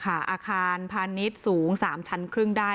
อาคารพาณิชย์สูง๓ชั้นครึ่งได้